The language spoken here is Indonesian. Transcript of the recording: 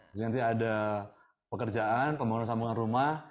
jadi nanti ada pekerjaan pembangunan sambungan rumah